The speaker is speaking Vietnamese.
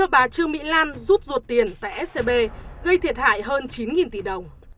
bà trương mỹ lan rút ruột tiền tại scb gây thiệt hại hơn chín tỷ đồng